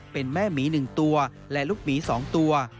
เป็นแม่หมีหนึ่งตัวและลูกหมีสองตัว